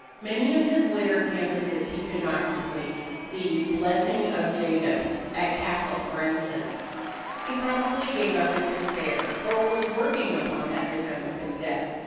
Many of his later canvases he could not complete. The "Blessing of Jacob," at Cassel, for instance, he probably gave up in despair, or was working upon at the time of his death.